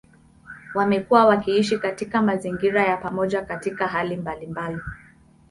Wamekuwa wakiishi katika mazingira ya pamoja katika hali mbalimbali.